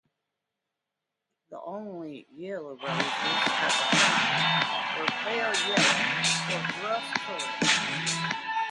The only yellow roses at the time were pale yellow or buff colored.